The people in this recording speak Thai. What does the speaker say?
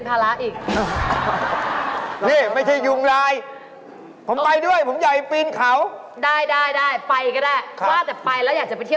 ฮ่าฮ่าก็ไปกับเจ๊ไง